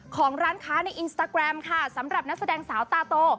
ของร้านค้าในอินสตาแกรมค่ะสำหรับนักแสดงสาวตาโต